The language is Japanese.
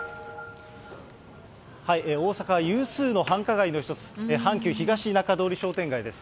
大阪有数の繁華街の一つ、阪急ひがし中通り商店街です。